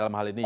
dalam hal ini